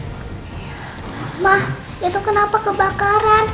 emak itu kenapa kebakaran